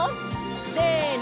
せの！